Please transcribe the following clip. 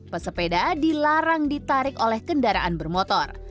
pesepeda dilarang ditarik oleh kendaraan bermotor